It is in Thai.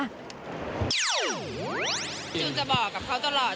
จูนจะบอกกับเขาตลอด